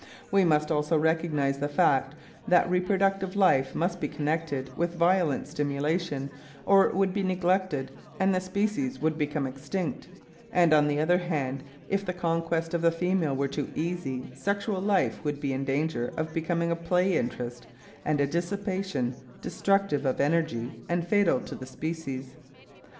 " We must also recognise the fact that reproductive life must be connected with violent stimulation, or it would be neglected and the species would become extinct; and on the other hand, if the conquest of the female were too easy, sexual life would be in danger of becoming a play interest and a dissipation, destructive of energy and fatal to the species.